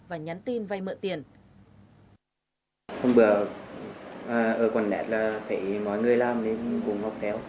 và nhắn tin vay mượn tiền